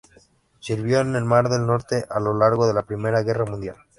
Sirvió en el Mar del Norte a lo largo de la Primera Guerra Mundial.